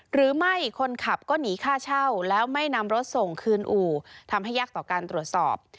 หรือไม่คนขับก็หนีค่าเช่าแล้วไม่นำรถส่งคืนอู่ทำให้ยากต่อการตรวจสอบ